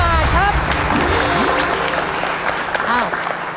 อ้าว